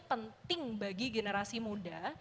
penting bagi generasi muda